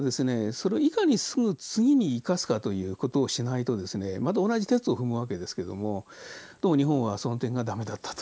それをいかにすぐ次に生かすかという事をしないとですねまた同じ轍を踏むわけですけどもどうも日本はその点が駄目だったと。